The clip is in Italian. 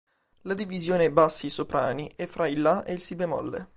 La divisione bassi-soprani è fra il La e il Si♭.